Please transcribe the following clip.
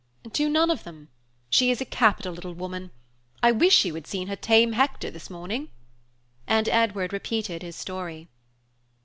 "To none of them; she is a capital little woman. I wish you had seen her tame Hector this morning." And Edward repeated his story.